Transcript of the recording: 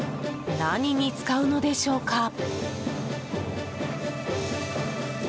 何に使うのでしょうか？